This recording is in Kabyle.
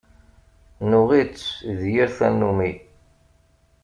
Nuɣ-itt d yir tannumi.